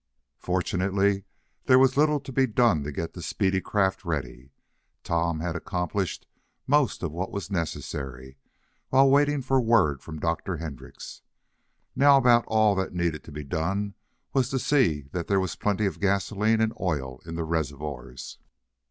Fortunately there was little to be done to get the speedy craft ready. Tom had accomplished most of what was necessary, while waiting for word from Dr. Hendrix. Now about all that needed to be done was to see that there was plenty of gasoline and oil in the reservoirs.